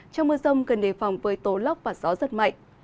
trong mưa rông cần đề phòng với tố lốc và gió giật mạnh